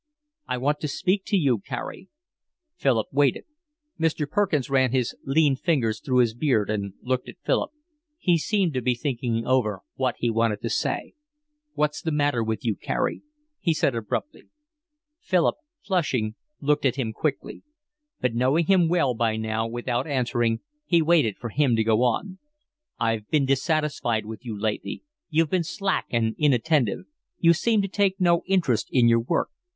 "I want to speak to you, Carey." Philip waited. Mr. Perkins ran his lean fingers through his beard and looked at Philip. He seemed to be thinking over what he wanted to say. "What's the matter with you, Carey?" he said abruptly. Philip, flushing, looked at him quickly. But knowing him well by now, without answering, he waited for him to go on. "I've been dissatisfied with you lately. You've been slack and inattentive. You seem to take no interest in your work.